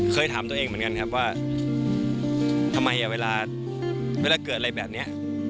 เคยถามตัวเองเหมือนกันครับว่าทำไมเวลาเกิดอะไรแบบนี้